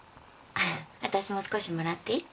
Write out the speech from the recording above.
私も少しもらっていい？